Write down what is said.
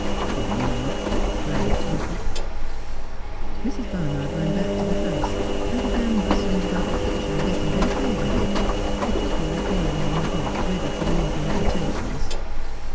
' Good night,' growled Tinker. Mrs. Barnard ran back to the house, and began bustling about the kitchen getting her tray ready. The kettle was boil ing on the hob, ready for the evening potations.